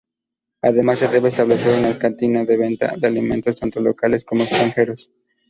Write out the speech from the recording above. Además, se debe establecer una cantina de venta de alimentos, tanto locales como extranjeros.